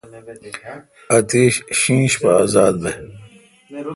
اتیش شینش پہ ازات بے°۔